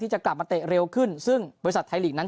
จะกลับมาเตะเร็วขึ้นซึ่งบริษัทไทยลีกนั้น